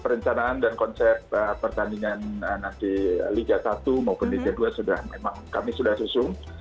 perencanaan dan konsep pertandingan nanti liga satu maupun liga dua sudah memang kami sudah susung